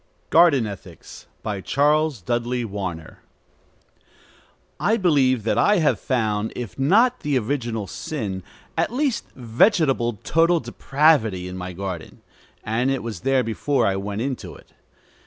GARDEN ETHICS BY CHARLES DUDLEY WARNER I believe that I have found, if not original sin, at least vegetable total depravity in my garden; and it was there before I went into it.